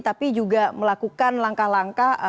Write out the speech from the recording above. tapi juga melakukan langkah langkah